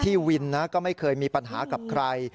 วินนะก็ไม่เคยมีปัญหากับใคร